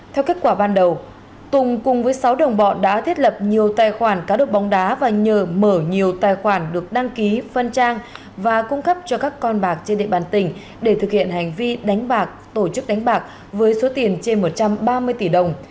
theo kết quả ban đầu tùng cùng với sáu đồng bọn đã thiết lập nhiều tài khoản cá độ bóng đá và nhờ mở nhiều tài khoản được đăng ký phân trang và cung cấp cho các con bạc trên địa bàn tỉnh để thực hiện hành vi đánh bạc tổ chức đánh bạc với số tiền trên một trăm ba mươi tỷ đồng